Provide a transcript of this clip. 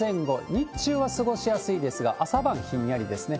日中は過ごしやすいですが、朝晩ひんやりですね。